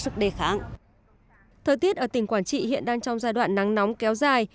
thời tiết ở tỉnh quảng trị hiện đang trong giai đoạn nắng nóng kéo dài